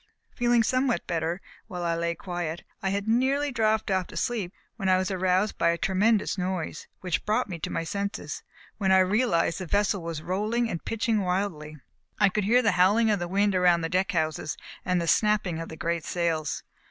Feeling somewhat better, while I lay quiet, I had nearly dropped off to sleep when I was aroused by a tremendous noise, which brought me to my senses, when I realized that the vessel was rolling and pitching wildly. I could hear the howling of the wind around the deck houses, and the snapping of the great sails.